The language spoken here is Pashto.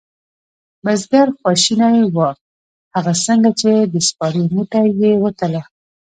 بزگر خواشینی و هغه ځکه چې د سپارې موټۍ یې وتله.